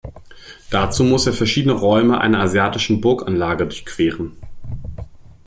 Dazu muss er verschiedene Räume einer asiatischen Burganlage durchqueren.